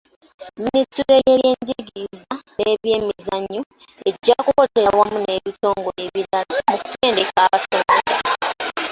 Minisitule y'ebyenjigiriza n'ebyemizannyo ejja kukolera wamu n'ebitongole ebirala mu kutendeka abasomesa.